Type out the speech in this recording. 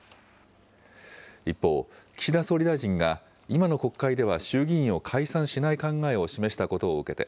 一方、岸田総理大臣が、今の国会では衆議院を解散しない考えを示したことを受けて、